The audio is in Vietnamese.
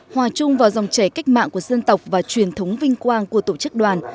hòa chung vào dòng chảy cách mạng của dân tộc và truyền thống vinh quang của tổ chức đoàn